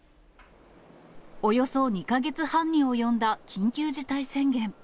およそ２か月半に及んだ緊急事態宣言。